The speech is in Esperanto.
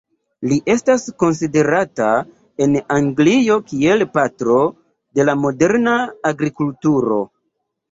Li estas konsiderata en Anglio kiel "patro" de la moderna agrikulturo.